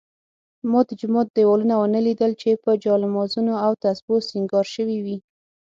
ما د جومات دېوالونه ونه لیدل چې په جالمازونو او تسپو سینګار شوي وي.